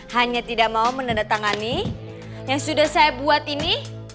hanya tidak mau menandatangani yang sudah saya buat ini